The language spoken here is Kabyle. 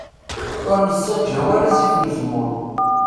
Ur nessaǧaw ara zzit n uzemmur.